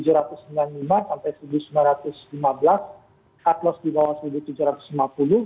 cut loss di bawah seribu tujuh ratus lima puluh